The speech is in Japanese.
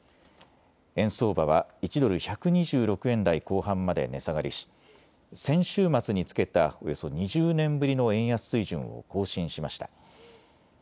円相場は１ドル１２６円台後半まで値下がりし先週末につけたおよそ２０年ぶりの円安水準を更新しました。